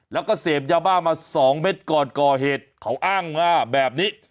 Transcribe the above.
แล้วก็เสพยาบ้ามาสองเม็ดก่อนก่อเหตุเขาอ้างว่าแบบนี้